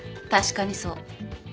確かにそう。